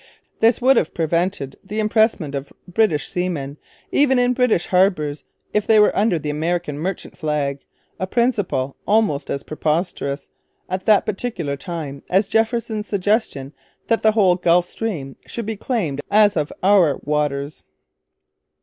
This would have prevented the impressment of British seamen, even in British harbours, if they were under the American merchant flag a principle almost as preposterous, at that particular time, as Jefferson's suggestion that the whole Gulf Stream should be claimed 'as of our waters.'